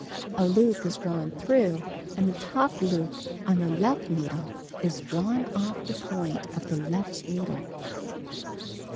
Cut 2. A loop is drawn through; and the top loop on the left needle is drawn oflF the point of the left needle.